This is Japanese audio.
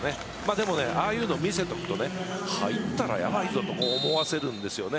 でも、ああいうのを見せておくと入ったらやばいぞと思わせるんですね。